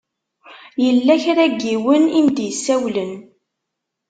Yella kra n yiwen i m-d-isawlen.